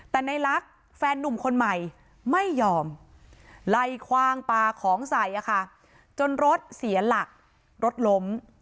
แต่ในลักษณ์แฟนนุ่มคนใหม่ไม่ยอมไล่คว่างปลาของใส่จนรถเสียหลักรถล้ม